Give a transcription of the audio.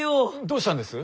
どうしたんです？